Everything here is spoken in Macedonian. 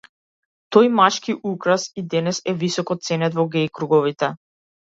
Тој машки украс и денес е високо ценет во геј круговите.